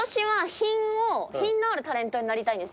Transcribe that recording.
品のあるタレントになりたいんです。